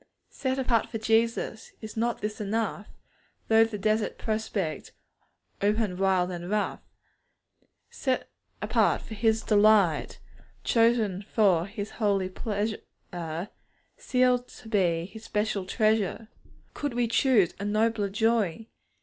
Set apart for Jesus! Is not this enough, Though the desert prospect Open wild and rough? Set apart for His delight, Chosen for His holy pleasure, Sealed to be His special treasure! Could we choose a nobler joy?